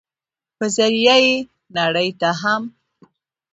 په ذريعه ئې نړۍ ته هم